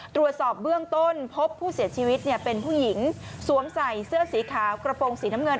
ตรวจสอบเบื้องต้นพบผู้เสียชีวิตเนี่ยเป็นผู้หญิงสวมใส่เสื้อสีขาวกระโปรงสีน้ำเงิน